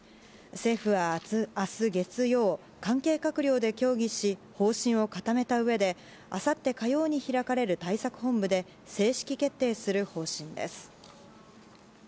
政府は明日月曜関係閣僚で協議し方針を固めたうえであさって開かれる対策本部で正式決定する方針です。